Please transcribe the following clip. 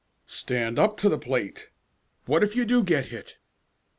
"Stand up to the plate! What if you do get hit?"